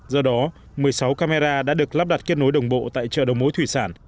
do đó một mươi sáu camera đã được lắp đặt kết nối đồng bộ tại chợ đầu mối thủy sản